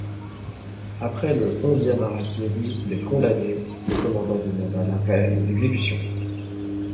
Après le onzième hara-kiri des condamnés, le commandant demanda l'arrêt des exécutions.